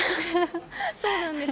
そうなんです。